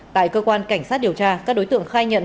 tại cơ quan cảnh sát điều tra các đối tượng khai nhận